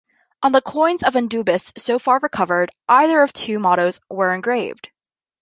On the coins of Endubis so far recovered, either of two mottos were engraved.